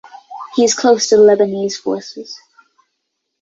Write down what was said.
He is close to the Lebanese Forces.